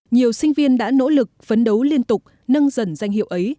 nhiều sinh viên đã nỗ lực phấn đấu liên tục nâng dần danh hiệu ấy